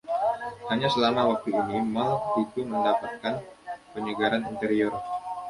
Hanya selama waktu ini mal itu mendapatkan penyegaran interior.